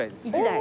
１台？